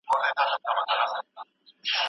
مسواک وکاروه ترڅو په عبادت کې خوند واخلې.